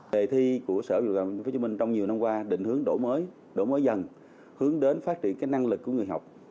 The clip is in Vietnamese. đề thi của sở giáo dục và đào tạo tp hcm trong nhiều năm qua định hướng đổi mới đổi mới dần hướng đến phát triển năng lực của người học